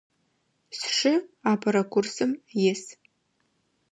Сшы апэрэ курсым ис.